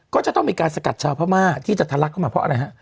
ก็จะต้องมีการสกักชาวพระม่าที่จะทัลักเพราะอะไรฮะ